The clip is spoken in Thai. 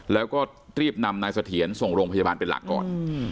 แล้วก็รีบนำนายเสถียรส่งโรงพยาบาลเป็นหลักก่อน